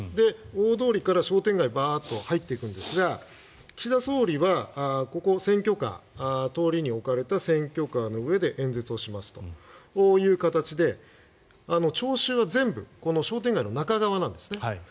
大通りから商店街バーッと入っていくんですが岸田総理はここ、選挙カー通りに置かれた選挙カーの上で演説をしますという形で聴衆は全部商店街の中側なんですね。